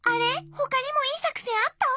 ほかにもいいさくせんあった？